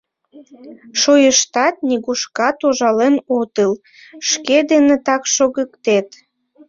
Шойыштат, нигушкат ужален отыл, шке денетак шогыктет.